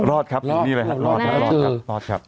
รอดครับรอดครับรอดครับ